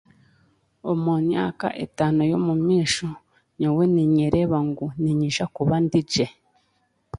Omu myaka etaano y'omumaisho, nyowe ninyereeba ngu ninja kuba ndigye.